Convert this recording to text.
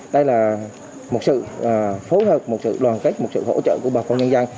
đây là một sự phối hợp một sự đoàn kết một sự hỗ trợ của bà con nhân dân